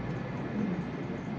kami hanya menganggap bahwa